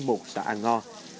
như một xã an ngo